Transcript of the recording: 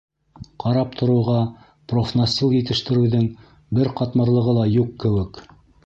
Ҡарап тороуға, профнастил етештереүҙең бер ҡатмарлығы ла юҡ кеүек.